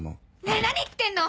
ねぇ何言ってんの！